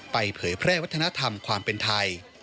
เผยแพร่วัฒนธรรมความเป็นไทย